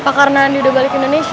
apa karena andi udah balik indonesia